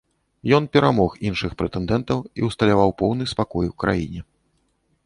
Ён перамог іншых прэтэндэнтаў і ўсталяваў поўны спакой у краіне.